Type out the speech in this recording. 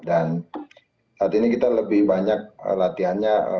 dan saat ini kita lebih banyak latihannya